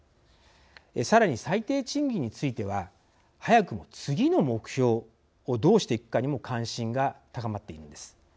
さらに、最低賃金については早くも次の目標をどうしていくかにも関心が高まっているんです。